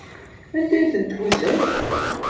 Anda ay ten-tḥuzam?